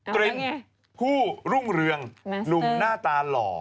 กลิ่นผู้รุ่งเรืองหนุ่มหน้าตาหล่อ